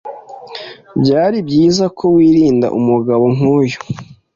Byaribyiza ko wirinda umugabo nkuyu.